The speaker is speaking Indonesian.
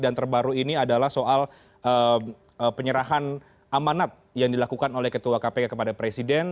dan terbaru ini adalah soal penyerahan amanat yang dilakukan oleh ketua kpk kepada presiden